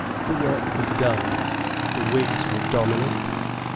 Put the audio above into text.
The work was done. The Whigs were dominant.